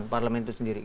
parlemen itu sendiri